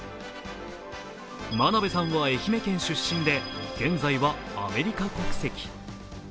真鍋は愛媛県出身で、現在はアメリカ国籍。